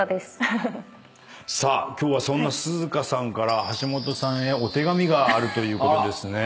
さあ今日はそんなすずかさんから橋本さんへお手紙があるということですね。